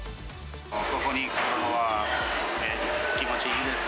ここに来るのは気持ちいいです。